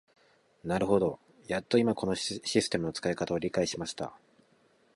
なるほど、やっと今このシステムの使い方を理解しました。